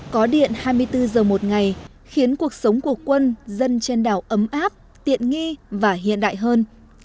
có điện hai mươi bốn giờ một ngày khiến cuộc sống của quân dân trên đảo ấm áp tiện nghi và hiện đại hơn